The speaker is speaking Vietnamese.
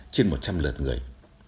trên một trăm linh lượt người